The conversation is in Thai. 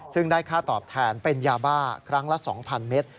ซึ่งได้ค่าตอบแทนเป็นยาบ้าครั้งละ๒๐๐เมตร